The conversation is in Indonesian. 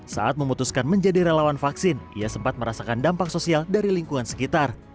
saat memutuskan menjadi relawan vaksin ia sempat merasakan dampak sosial dari lingkungan sekitar